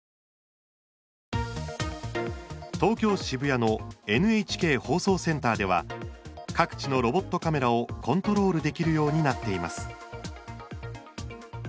東京・渋谷のＮＨＫ放送センターでは各地のロボットカメラをコントロールできるようになっています。